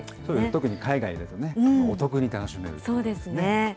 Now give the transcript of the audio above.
特に海外だとね、お得に楽しめるということでね。